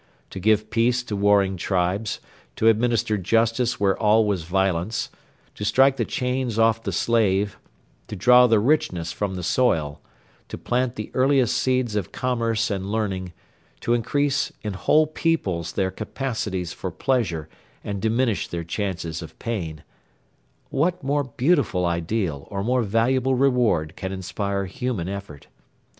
To give peace to warring tribes, to administer justice where all was violence, to strike the chains off the slave, to draw the richness from the soil, to plant the earliest seeds of commerce and learning, to increase in whole peoples their capacities for pleasure and diminish their chances of pain what more beautiful ideal or more valuable reward can inspire human effort?